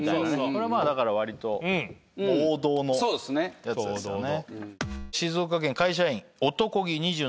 これはまあだからわりと王道のやつですよね。